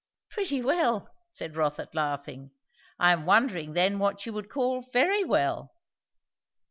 "Pretty well!" said Rotha laughing. "I am wondering then what you would call very well?